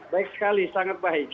baik sekali sangat baik